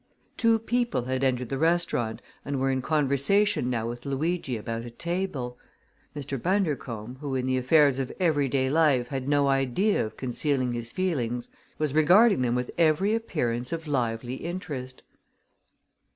Two people had entered the restaurant and were in conversation now with Luigi about a table. Mr. Bundercombe, who in the affairs of every day life had no idea of concealing his feelings, was regarding them with every appearance of lively interest.